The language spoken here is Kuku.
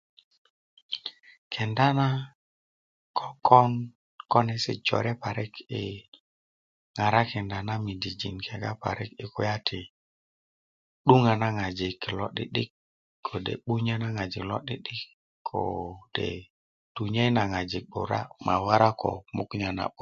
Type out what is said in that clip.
Kenda na kokon konesi jore I ŋarakinda na medijin kega parik i kulya ti 'duŋö na ŋojik lo 'didik ko de 'bunyö na ŋojik lo 'didik ko de tunyöyi na ŋojik 'bura' ma wora mugunya na'but